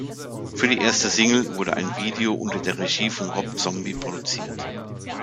Für die erste Single wurde ein Video unter der Regie von Rob Zombie produziert.